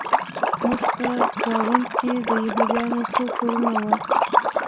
زموږ په ګاونډ کې د یهودانو څو کورونه وو